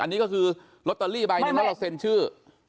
อันนี้ก็คือลอตเตอรี่ใบหนึ่งแล้วเราเซ็นชื่อ